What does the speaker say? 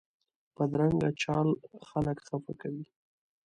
بدرنګه چال خلک خفه کوي